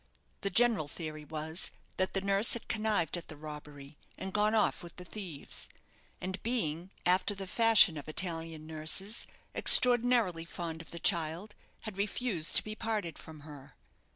The general theory was, that the nurse had connived at the robbery, and gone off with the thieves; and being, after the fashion of Italian nurses, extraordinarily fond of the child, had refused to be parted from her.